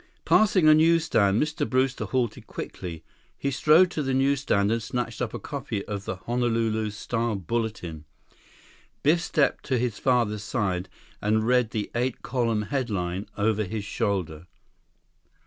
Passing a newsstand, Mr. Brewster halted quickly. He strode to the newsstand and snatched up a copy of the Honolulu Star Bulletin. Biff stepped to his father's side and read the eight column headline over his shoulder.